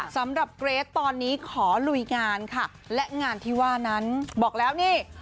สำหรับเกรทตอนนี้ขอลุยงานค่ะและงานที่ว่านั้นบอกแล้วนี่